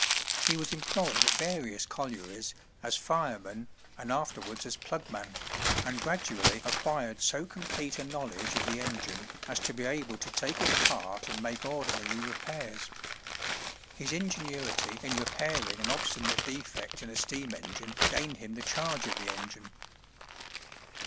He was employed at various collieries, as fireman, and afterwards as plugman, and gradually acquired so complete a knowledge of the engine as to be able to take it apart and make ordinary repairs. His ingenuity in repairing an obstinate defect in a steam engine gained him the charge of the engine.